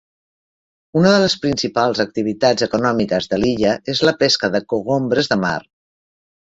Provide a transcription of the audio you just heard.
Una de les principals activitats econòmiques de l'illa és la pesca de cogombres de mar.